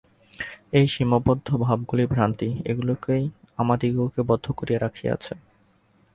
এই সীমাবদ্ধ ভাবগুলিই ভ্রান্তি, এগুলিই আমাদিগকে বদ্ধ করিয়া রাখিয়াছে।